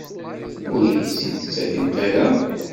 Ur iyi-tt-id-ttakent ara?